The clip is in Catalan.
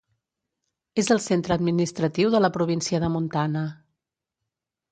És el centre administratiu de la província de Montana.